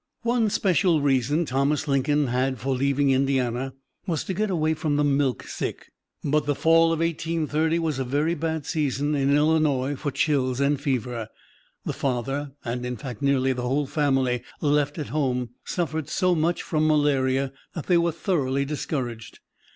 One special reason Thomas Lincoln had for leaving Indiana was to get away from "the milksick." But the fall of 1830 was a very bad season in Illinois for chills and fever. The father and, in fact, nearly the whole family left at home suffered so much from malaria that they were thoroughly discouraged.